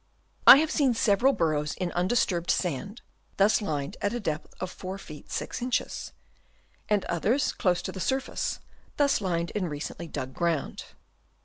I have seen several burrows in undisturbed sand thus lined at a depth of 4 ft. 6 in. ; and others close to the surface thus lined in recently dug ground.